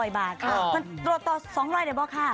ต่อ๒๐๐บาทได้ป่ะคะ